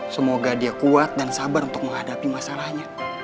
semoga dia kuat dan sabar untuk menghadapi masalahnya